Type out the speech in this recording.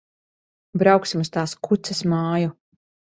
Brauksim uz tās kuces māju.